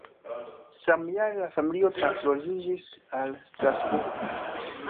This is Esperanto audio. Samjare la familio transloĝiĝis al Strasburgo.